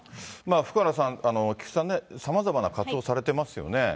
福原さん、菊池さんね、さまざまな活動されてますよね。